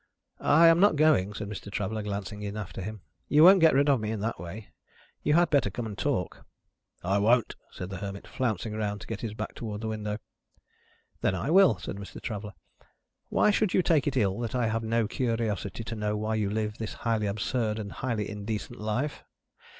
"I am not going," said Mr. Traveller, glancing in after him; "you won't get rid of me in that way. You had better come and talk." "I won't talk," said the Hermit, flouncing round to get his back towards the window. "Then I will," said Mr. Traveller. "Why should you take it ill that I have no curiosity to know why you live this highly absurd and highly indecent life?